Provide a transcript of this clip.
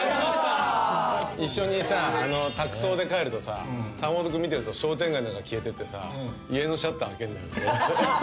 「一緒にタク送で帰ると坂本君見てると商店街の中消えてってさ家のシャッター開けんだよね」